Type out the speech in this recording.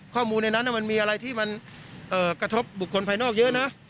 ข้อมูลในนั้นมันมีอะไรที่มันกระทบบุคคลภายนอกเยอะนะ